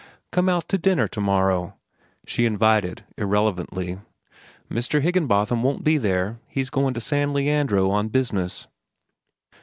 "Come out to dinner to morrow," she invited irrelevantly. "Mr. Higginbotham won't be there. He's goin' to San Leandro on business."